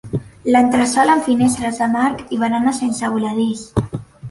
L'entresòl, amb finestres de marc i barana sense voladís.